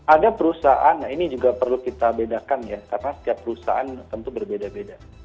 ada perusahaan ini juga perlu kita bedakan ya karena setiap perusahaan tentu berbeda beda